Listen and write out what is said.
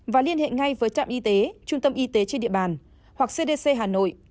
và liên hệ ngay với trạm y tế trung tâm y tế trên địa bàn hoặc cdc hà nội